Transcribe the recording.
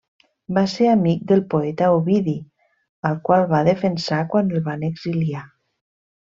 Va ser amic del poeta Ovidi, al qual va defensar quan el van exiliar.